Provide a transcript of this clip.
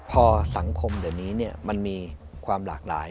พอสังคมเดี๋ยวนี้มันมีความหลากหลาย